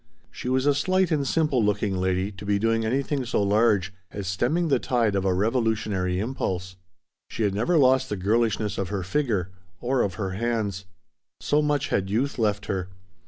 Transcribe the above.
She was a slight and simple looking lady to be doing anything so large as stemming the tide of a revolutionary impulse. She had never lost the girlishness of her figure or of her hands. So much had youth left her.